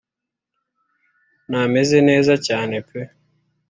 ntameze neza cyane pe